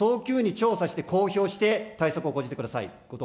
早急に調査して公表して、対策を講じてください。